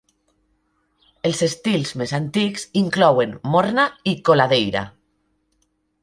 Els estils més antics inclouen "morna" i "coladeira".